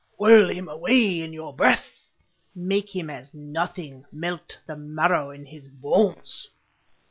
"Whirl him away in your breath! "Make him as nothing—melt the marrow in his bones!